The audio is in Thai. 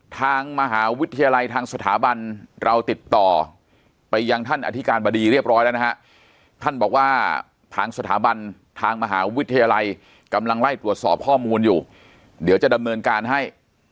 ทางมหาวิทยาลัยทางสถาบันเราติดต่อไปยังท่านอธิการบดีเรียบร้อยแล้วนะฮะท่านบอกว่าทางสถาบันทางมหาวิทยาลัยกำลังไล่ตรวจสอบข้อมูลอยู่เดี๋ยวจะดำเนินการให้